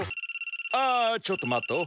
あちょっと待っと！